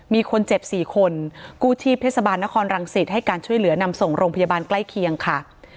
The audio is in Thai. มีคนเจ็บ๔คนกู้ชีพเทศบาลนครรังสิตให้การช่วยเหลือนำส่งโรงพยาบาลใกล้เคียงค่ะ